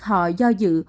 họ do dự